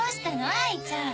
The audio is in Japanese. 哀ちゃん。